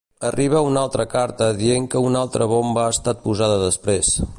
Arriba una altra carta dient que una altra bomba ha estat posada després.